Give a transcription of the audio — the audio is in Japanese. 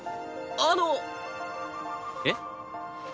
あの。えっ？